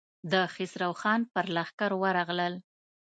د خسرو خان پر لښکر ورغلل.